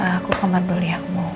aku ke kamar beliau